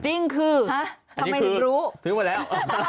จริงคือทำไมถึงรู้ซื้อมาแล้ว